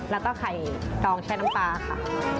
แล้วก็ไข่ตองแช่น้ำปลาค่ะ